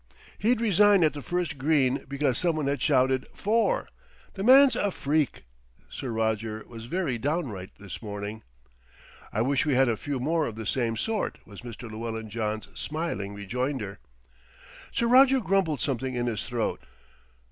"He'd resign at the first green because someone had shouted 'fore.' The man's a freak!" Sir Roger was very downright this morning. "I wish we had a few more of the same sort," was Mr. Llewellyn John's smiling rejoinder. Sir Roger grumbled something in his throat.